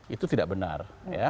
itu tidak benar